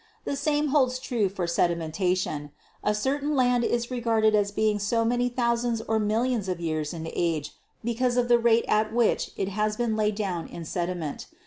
The same holds true with sedimentation. A certain land is regarded as being so many thousands or million of years in age because of the rate at which it has been laid down in sediment.